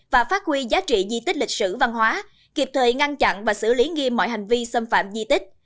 và phát huy giá trị di tích lịch sử văn hóa kịp thời ngăn chặn và xử lý nghiêm mọi hành vi xâm phạm di tích